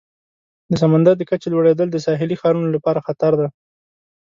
د سمندر د کچې لوړیدل د ساحلي ښارونو لپاره خطر دی.